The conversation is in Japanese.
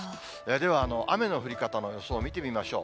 では、雨の降り方の予想を見てみましょう。